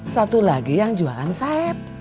satu lagi yang jualan sap